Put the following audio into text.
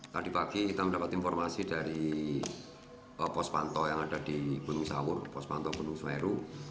tadi pagi kita mendapat informasi dari pospanto yang ada di gunung sawur pospanto gunung semeru